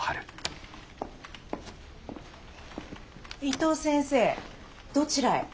伊藤先生どちらへ？